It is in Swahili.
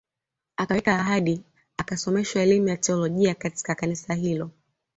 Akaweka ahadi akasomeshwa elimu ya teolojia katika kanisa hilo